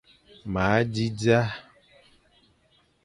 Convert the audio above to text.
Ma zi dia.